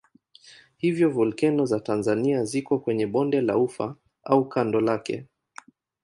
Hivyo volkeno za Tanzania ziko kwenye bonde la Ufa au kando lake.